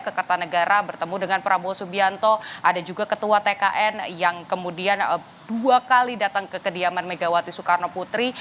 ke kertanegara bertemu dengan prabowo subianto ada juga ketua tkn yang kemudian dua kali datang ke kediaman megawati soekarno putri